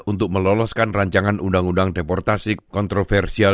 untuk meloloskan rancangan undang undang deportasi kontroversial